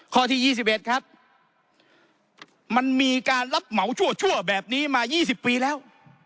ข้อที่ยี่สิบเอ็ดครับมันมีการรับเหมาชั่วชั่วแบบนี้มายี่สิบปีแล้ว